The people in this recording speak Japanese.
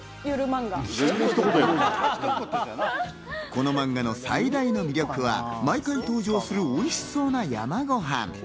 このマンガの最大の魅力は毎回登場するおいしそうな山ごはん。